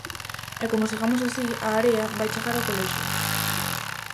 E como sigamos así, a area vai chegar ao colexio...